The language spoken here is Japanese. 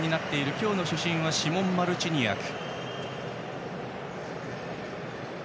今日の主審はシモン・マルチニアク。